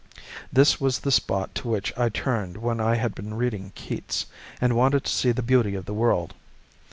This was the spot to which I turned when I had been reading Keats, and wanted to see the beauty of the world.